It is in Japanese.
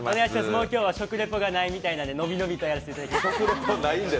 もう今日は食レポがないみたいなんで伸び伸びとやらせてもらいます。